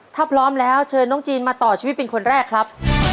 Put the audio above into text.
ถ้าพร้อมแล้วเชิญน้องจีนมาต่อชีวิตเป็นคนแรกครับ